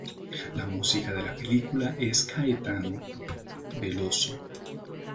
La música de la película es Caetano Veloso.